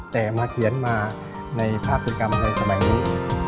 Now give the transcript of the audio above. แต่มาเขียนมาในภาพพฤติกรรมในสมัยนี้